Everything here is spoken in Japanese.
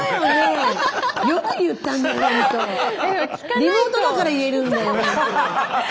リモートだから言えるんだよ。